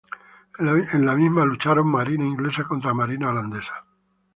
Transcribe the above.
En la misma lucharon la marina inglesa contra la marina holandesa.